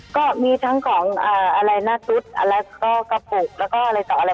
ก็มีทั้งของอะไรหน้าซุดอะไรก็กระปุกแล้วก็อะไรต่ออะไร